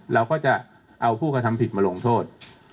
เราก็จะเอาผู้กระทำผิดมาลงโทษ